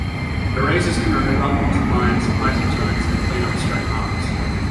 Erasers can remove unwanted lines, lighten tones, and clean up stray marks.